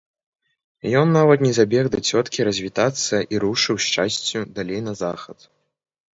Ён нават не забег да цёткі развітацца і рушыў з часцю далей на захад.